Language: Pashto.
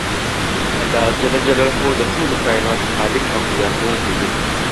الله ج د ټولو کایناتو خالق او پیدا کوونکی دی .